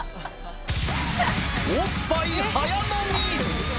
おっぱい早飲み。